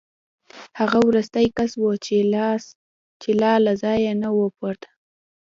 هغه وروستی کس و چې لا له ځایه نه و پورته